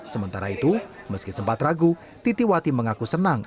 sementara itu meski sempat ragu titiwati mengaku senang